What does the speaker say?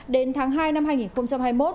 đến tháng hai năm hai nghìn hai mươi một